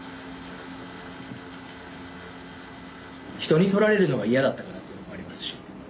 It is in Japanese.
人に取られるのが嫌だったからっていうのもありますし。